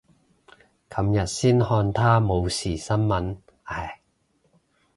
琴日先看他冇事新聞，唉。